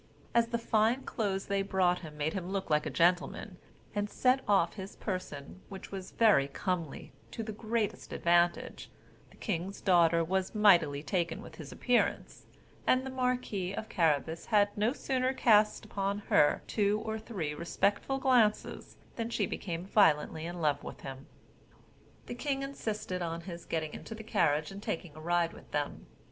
As the fine clothes they brought him made him look like a gentleman, and set off his person, which was very comely, to the greatest advantage, the king's daughter was mightily taken with his appearance, and the marquis of Carabas had no sooner cast upon her two or three respectful glances, then she became violently in love with him. The king insisted on his getting into the carriage and taking a ride with them.